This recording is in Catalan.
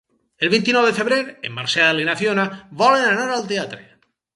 El vint-i-nou de febrer en Marcel i na Fiona volen anar al teatre.